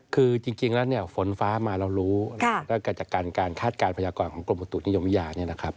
คือจริงแล้วฝนฟ้ามาเรารู้แล้วกับการคาดการณ์พยากรของกรมประตูนิยมวิญญาณ